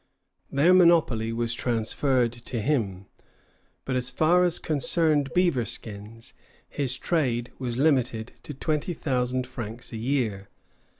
Their monopoly was transferred to him; but as far as concerned beaver skins, his trade was limited to twenty thousand francs a year.